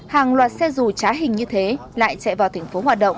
hàng loạt xe dù trá hình như thế lại chạy vào thành phố hoạt động